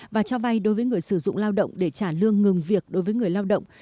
và cho vay đối với người sử dụng lao động để trả lương ngừng việc đối với người lao động